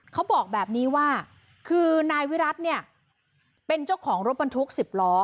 เขาบอกแบบนี้ว่าคือนายวิรัติเนี่ยเป็นเจ้าของรถบรรทุก๑๐ล้อ